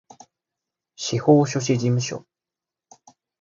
司法書士事務所